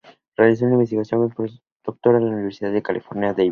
Realizó la investigación postdoctoral en la Universidad de California, Davis.